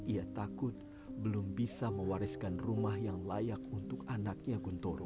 ia takut belum bisa mewariskan rumah yang layak untuk anaknya guntoro